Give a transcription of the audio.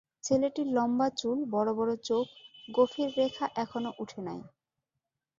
ছেলেটির লম্বা চুল, বড়ো বড়ো চোখ, গোঁফের রেখা এখনো উঠে নাই।